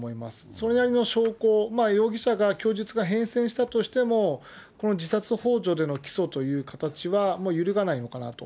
それなりの証拠を、容疑者が供述が変遷したとしても、この自殺ほう助での起訴という形は、もう揺るがないのかなと。